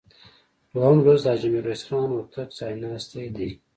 دویم لوست د حاجي میرویس خان هوتک ځایناستي دي.